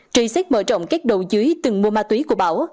truy xét mở rộng các đầu dưới từng mua ma túy của bảo